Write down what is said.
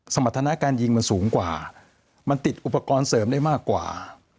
สมรรถนาการยิงมันสูงกว่ามันติดอุปกรณ์เสริมได้มากกว่า